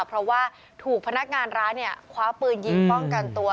เพราะว่าถูกพนักงานร้านเนี่ยคว้าปืนยิงป้องกันตัว